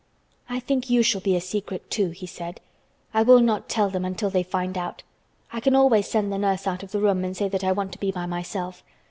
"I think you shall be a secret, too," he said. "I will not tell them until they find out. I can always send the nurse out of the room and say that I want to be by myself.